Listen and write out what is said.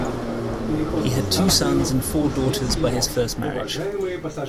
He had two sons and four daughters by his first marriage.